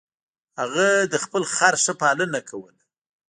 هغه د خپل خر ښه پالنه کوله.